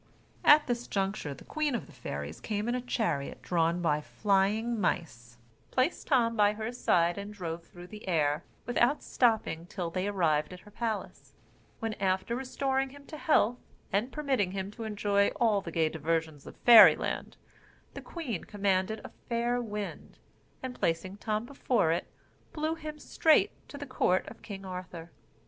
At this juncture the queen of the fairies came in a chariot drawn by flying mice, placed Tom by her side, and drove through the air, without stopping till they arrived at her palace; when, after restoring him to health, and permitting him to enjoy all the gay diversions of Fairy Land, the queen commanded a fair wind, and, placing Tom before it, blew him straight to the court of King Arthur.